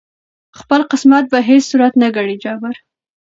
خپل قسمت په هیڅ صورت نه ګڼي جبر